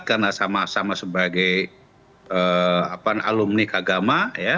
karena sama sama sebagai alumni keagama